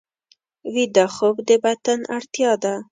ویده خوب د بدن اړتیا ده